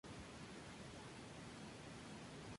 Le Plessier-sur-Bulles